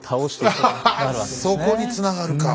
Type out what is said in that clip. そこにつながるか。